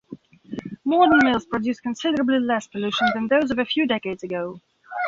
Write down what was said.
Modern mills produce considerably less pollution than those of a few decades ago.